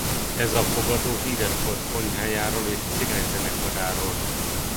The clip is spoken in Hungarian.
Ez a fogadó híres volt konyhájáról és cigányzenekaráról.